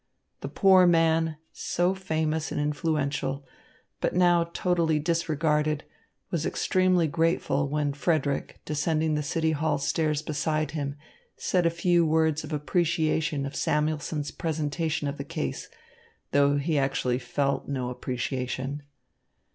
The poor man, so famous and influential, but now totally disregarded, was extremely grateful when Frederick, descending the City Hall stairs beside him, said a few words of appreciation of Samuelson's presentation of the case, though he actually felt no appreciation.